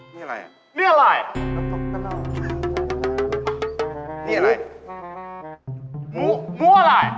มูมูอะไร